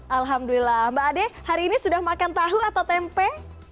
alhamdulillah mbak ade hari ini sudah makan tahu atau tempe